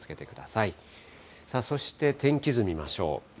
さあ、そして天気図見ましょう。